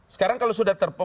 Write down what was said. sekarang kalau sudah terpilih